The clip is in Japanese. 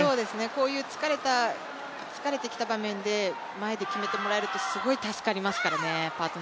こういう疲れてきた場面で前で決めてもらえるとすごい助かりますからね